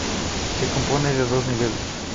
Se compone de dos niveles.